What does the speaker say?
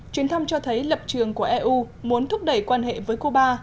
chuyến thăm cho thấy lập trường của eu muốn thúc đẩy quan hệ với cuba